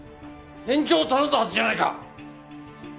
延長を頼んだはずじゃないか！